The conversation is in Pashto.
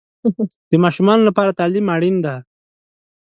د ماشومانو لپاره تعلیم اړین دی.